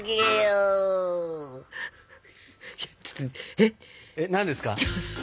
えっ何ですか？